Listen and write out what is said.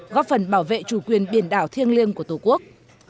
góp phần bảo vệ chủ quyền biển đảo thiêng liêng của tổ quốc